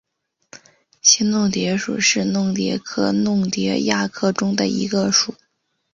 新弄蝶属是弄蝶科弄蝶亚科中的一个属。